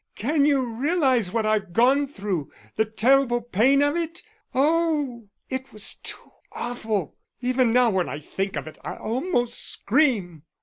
"Can you realise what I've gone through, the terrible pain of it? Oh, it was too awful. Even now when I think of it I almost scream."